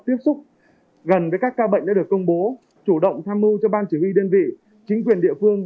tiếp xúc gần với các ca bệnh đã được công bố chủ động tham mưu cho ban chỉ huy đơn vị chính quyền địa phương